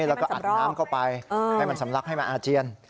แล้วก็อัดน้ำเข้าไปให้มันสำลักให้มันอาเจียน